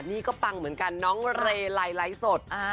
นี่ก็ปังเหมือนกันน้องเรไลไลฟ์สด